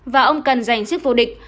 và ông cần giành sức vô địch